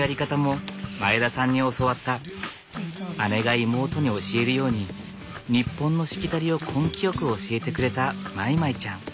姉が妹に教えるように日本のしきたりを根気よく教えてくれたまいまいちゃん。